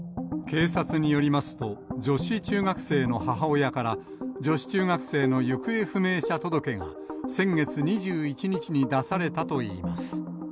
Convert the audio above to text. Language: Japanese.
警察によりますと、女子中学生の母親から、女子中学生の行方不明者届が先月２１日に出されたといいます。